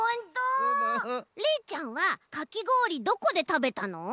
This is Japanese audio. れいちゃんはかきごおりどこでたべたの？